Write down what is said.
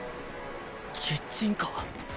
キッチンカー。